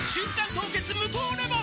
凍結無糖レモン」